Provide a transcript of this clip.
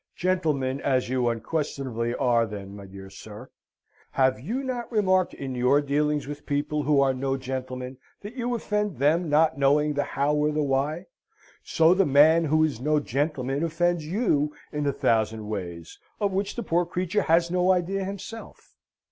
Gentleman, as you unquestionably are, then, my dear sir, have you not remarked in your dealings with people who are no gentlemen, that you offend them not knowing the how or the why? So the man who is no gentleman offends you in a thousand ways of which the poor creature has no idea himself.